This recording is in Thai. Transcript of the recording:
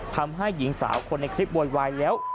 ทำให้หญิงสาวคนในคลิปโวยวายแล้ว